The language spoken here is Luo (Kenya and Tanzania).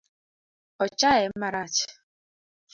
Ochaye marach